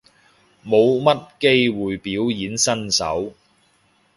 冇乜機會表演身手